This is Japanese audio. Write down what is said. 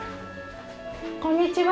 こんにちは。